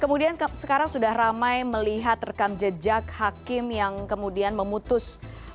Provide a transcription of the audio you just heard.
kemudian sekarang sudah ramai melihat rekam jejak hakim yang kemudian memutus